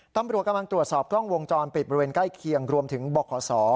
ตำรวจกำลังตรวจสอบกล้องวงจรปิดบริเวณใกล้เคียงรวมถึงบข